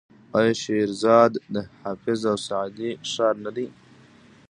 آیا شیراز د حافظ او سعدي ښار نه دی؟